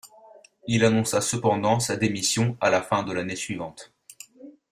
Il annonça cependant sa démission à la fin de l'année suivante.